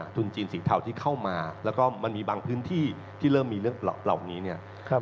ทุนจีนสีเทาที่เข้ามาแล้วก็มันมีบางพื้นที่ที่เริ่มมีเรื่องเหล่านี้เนี่ย